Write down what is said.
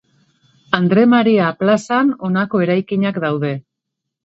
Andre Maria plazan honako eraikinak daude.